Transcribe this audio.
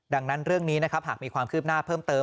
ดังนั้นเรื่องนี้นะครับหากมีความคืบหน้าเพิ่มเติม